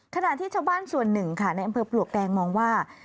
ขณะที่ชาวบ้านส่วนหนึ่งค่ะในอำเภอปลวกแดงมองว่า